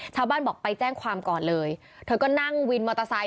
ชาวบ้านบอกไปแจ้งความก่อนเลยเธอก็นั่งวินมอเตอร์ไซค